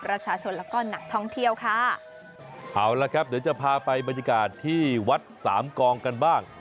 ประชาชนแล้วก็นักท่องเที่ยวค่ะเอาละครับเดี๋ยวจะพาไปบรรยากาศที่วัดสามกองกันบ้าง